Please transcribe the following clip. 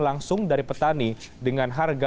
langsung dari petani dengan harga